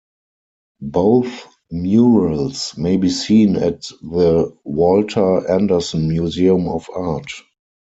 Both murals may be seen at the 'Walter Anderson Museum of Art.